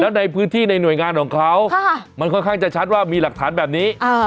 ในพื้นที่ในหน่วยงานของเขามันค่อนข้างจะชัดว่ามีหลักฐานแบบนี้